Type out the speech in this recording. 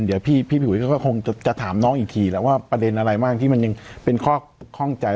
เดี๋ยวพี่อุ๋ยก็คงจะถามน้องอีกทีแล้วว่าประเด็นอะไรบ้างที่มันยังเป็นข้อข้องใจ